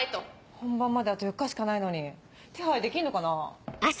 本番まであと４日しかないのに手配できんのかな？